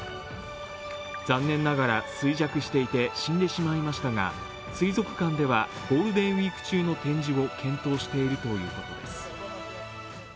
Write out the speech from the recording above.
残念ながら、衰弱していて死んでしまいましたが水族館ではゴールデンウイーク中の展示を検討しているということです。